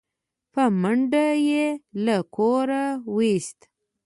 په منډه يې له کوره و ايست